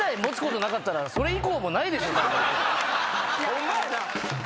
ホンマやな。